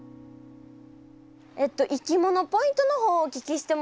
えっといきものポイントの方をお聞きしてもいいですか？